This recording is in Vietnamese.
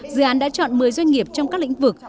dự án đã chọn một mươi doanh nghiệp trong các lĩnh vực